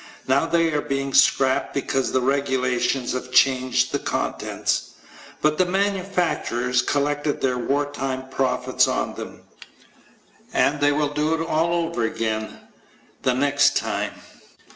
Now they are being scrapped because the regulations have changed the contents. But the manufacturers collected their wartime profits on them and they will do it all over again the next time.